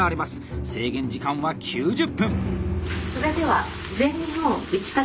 制限時間は９０分。